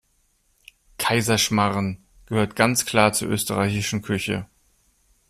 Kaiserschmarrn gehört ganz klar zur österreichischen Küche.